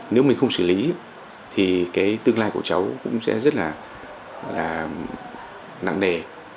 nếu mình không xử lý thì cái tương lai của cháu cũng sẽ rất là nặng nề